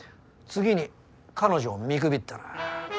次に彼女を見くびったな。